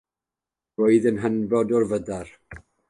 Roedd yn hynod o fyddar.